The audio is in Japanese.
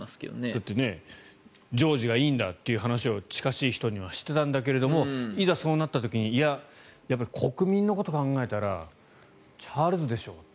だってジョージがいいんだという話を近しい人にはしていたんだけどもいざそうなった時にいや、やっぱり国民のことを考えたらチャールズでしょう。